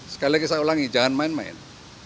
sekali lagi saya ulangi jangan main main